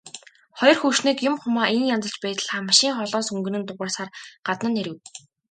Хоёр хөгшнийг юм хумаа ийн янзалж байтал машин холоос хүнгэнэн дуугарсаар гадна нь ирэв.